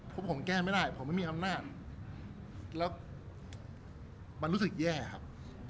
เพราะผมแก้ไม่ได้ผมไม่มีอำนาจแล้วมันรู้สึกแย่ครับ